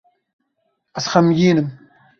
Ez xemgîn im.